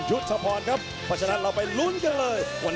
ทุกท่านทุกท่านขอบคุณทุกคน